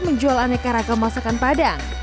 menjual aneka ragam masakan padang